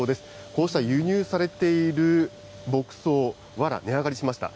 こうした輸入されている牧草、わら、値上がりしました。